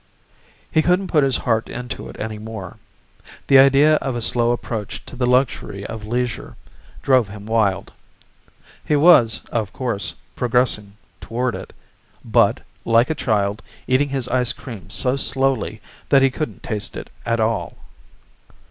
He couldn't put his heart into it any more. The idea of a slow approach to the luxury of leisure drove him wild. He was, of course, progressing toward it, but, like a child, eating his ice cream so slowly that he couldn't taste it at all.